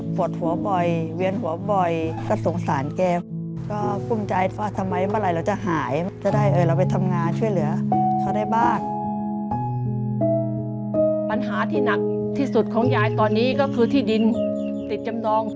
ปัญหาที่หนักที่สุดของยายตอนนี้ก็คือที่ดินติดจำนอง